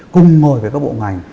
cùng ngồi với các bộ ngành